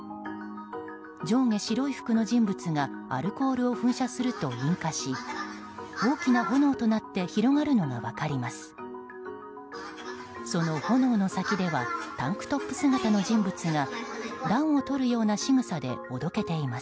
上下白い服の人物がアルコールを噴射すると引火し大きな炎となって広がるのが分かります。